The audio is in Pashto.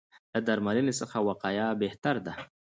له درملنې څخه وقایه بهتره ده.